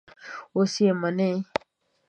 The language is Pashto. اوس منی دی.